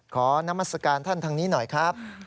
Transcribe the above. นามัศกาลท่านทางนี้หน่อยครับ